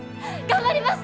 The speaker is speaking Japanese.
頑張ります！